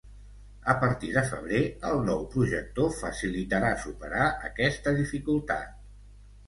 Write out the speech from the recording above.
A partir de febrer, el nou projector facilitarà superar aquesta dificultat.